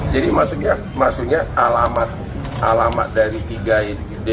jadi maksudnya alamat dari tiga dpo ini waktu pertama kali bap dari delapan tersangka ini gak ada di bap